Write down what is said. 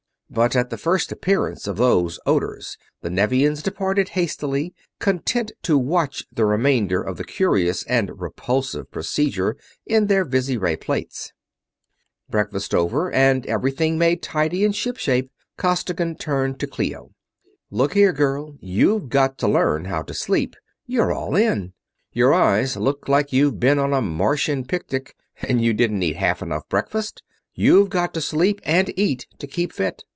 But at the first appearance of those odors the Nevians departed hastily, content to watch the remainder of the curious and repulsive procedure in their visiray plates. Breakfast over and everything made tidy and ship shape, Costigan turned to Clio. "Look here, girl; you've got to learn how to sleep. You're all in. Your eyes look like you've been on a Martian picnic and you didn't eat half enough breakfast. You've got to sleep and eat to keep fit.